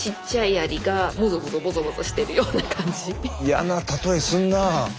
嫌な例えすんなあ。